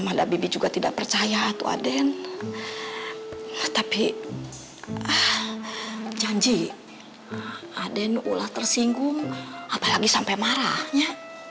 mada bibi juga tidak percaya atau aden tapi janji aden ulah tersinggung apalagi sampai marahnya